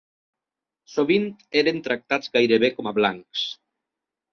Sovint eren tractats gairebé com a blancs.